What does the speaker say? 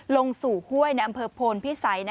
ลงสู่ห้วยในอำเภอโพนพิสัย